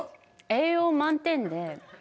栄養満点で。